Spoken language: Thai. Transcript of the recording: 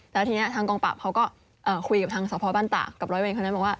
แล้วทีนี้ทางกองปราบเขาก็คุยกับทางสพบ้านตากกับร้อยเวรคนนั้นบอกว่า